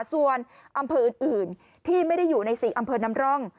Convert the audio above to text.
ส่วนอำเภออื่นที่ไม่ได้อยู่ใน๔อำเภอนำร่อง